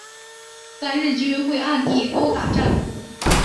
但日军会暗地殴打战俘。